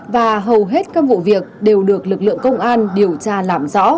và hầu hết các vụ việc đều được lực lượng công an điều tra làm rõ